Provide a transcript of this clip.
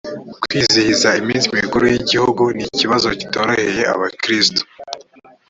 kwizihiza iminsi mikuru y’igihugu ni ikibazo kitoroheye abakristo